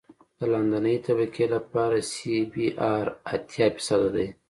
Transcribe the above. د لاندنۍ طبقې لپاره سی بي ار اتیا فیصده دی